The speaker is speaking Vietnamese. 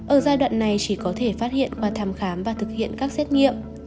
ở giai đoạn này chỉ có thể phát hiện qua thăm khám và thực hiện các xét nghiệm